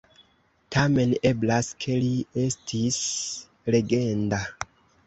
Tamen eblas ke li estis legenda.